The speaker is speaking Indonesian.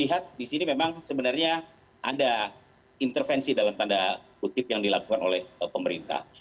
lihat di sini memang sebenarnya ada intervensi dalam tanda kutip yang dilakukan oleh pemerintah